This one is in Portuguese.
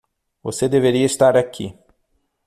Você deveria estar aqui.